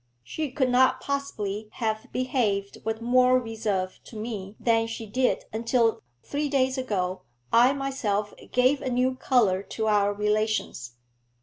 'She could not possibly have behaved with more reserve to me than she did until, three days ago, I myself gave a new colour to our relations.